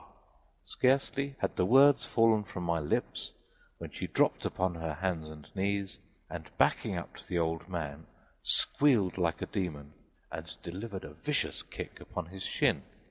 Scarcely had the words fallen from my lips when she dropped upon her hands and knees, and backing up to the old man squealed like a demon and delivered a vicious kick upon his shin!